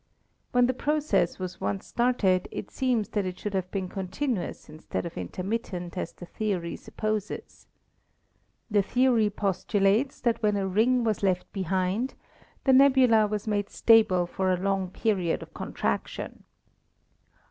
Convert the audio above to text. When the process was once started it seems that it should have been continuous instead of in termittent as the theory supposes. The theory postulates that when a ring was left behind, the nebula was made stable for a long period of contraction.